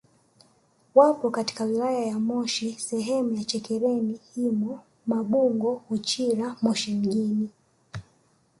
Wapo katika wilaya ya Moshi sehemu za Chekereni Himo Mabungo Uchira Moshi mjini